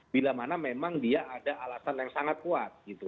bila mana memang dia ada alasan yang sangat kuat gitu